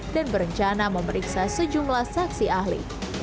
dan berencana memeriksa sejumlah saksi ahli